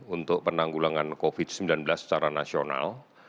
untuk penanggulangan covid sembilan belas secara nasional